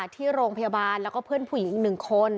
ที่โรงพยาบาลและเพื่อนผู้หญิงอีกหนึ่งคน